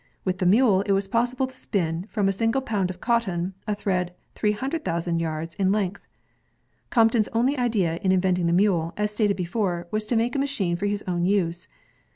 With the mule, it was possible to spin, from a single pound of cot ton, a thread 300,000 yards in length. Crompton's only idea in inventing the mule, as stated before, was to make a machine for his own use.